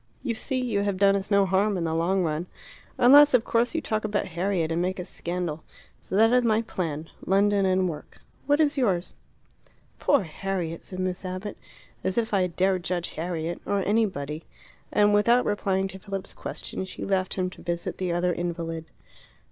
You see, you have done us no harm in the long run. Unless, of course, you talk about Harriet and make a scandal. So that is my plan London and work. What is yours?" "Poor Harriet!" said Miss Abbott. "As if I dare judge Harriet! Or anybody." And without replying to Philip's question she left him to visit the other invalid.